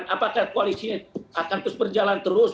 apakah koalisi akan terus berjalan terus